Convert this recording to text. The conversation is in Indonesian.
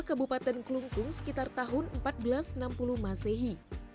kabupaten kelungkung sekitar tahun seribu empat ratus enam puluh masehi